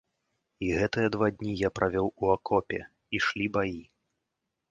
І гэтыя два дні я правёў у акопе, ішлі баі.